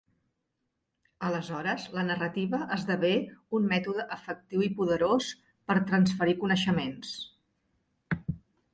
Aleshores, la narrativa esdevé un mètode efectiu i poderós per transferir coneixements.